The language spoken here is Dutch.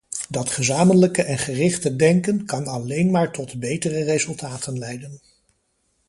Dat gezamenlijke en gerichte denken kan alleen maar tot betere resultaten leiden.